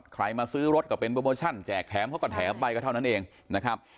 ใครมาซื้อรถก็เป็นแจกแถมเพราะกับแถมใบก็เท่านั้นเองนะครับ